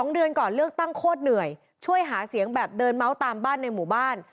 ๒เดือนก่อนเลือกตั้งโคตรเหนื่อยช่วยหาเสียงแบบเดินเมาส์ตามบ้านในหมู่บ้าน